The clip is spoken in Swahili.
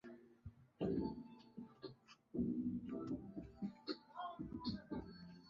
na inatarajiwa kufikiwa jumamosi ijayo mchakato huo